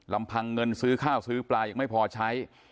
ลำพังเงินซื้อข้าวซื้อปลายังไม่พอใช้